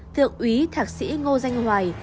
thượng úy thạc sĩ ngô danh hoài